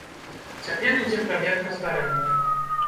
Цяпер ідзе праверка здарэння.